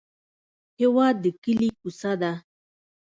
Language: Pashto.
هېواد د کلي کوڅه ده.